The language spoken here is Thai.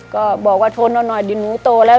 ก็บอกว่าทนเอาหน่อยเดี๋ยวหนูโตแล้ว